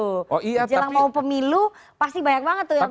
jalan mau pemilu pasti banyak banget tuh yang berangkat umroh atau berangkat haji